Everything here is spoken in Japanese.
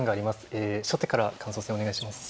え初手から感想戦お願いします。